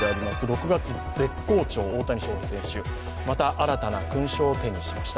６月、絶好調、大谷翔平選手、また新たな勲章を手にしました。